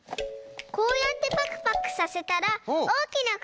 こうやってパクパクさせたらおおきなくちになりそう！